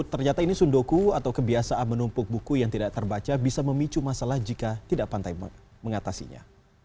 ternyata ini sundoku atau kebiasaan menumpuk buku yang tidak terbaca bisa memicu masalah jika tidak pantai mengatasinya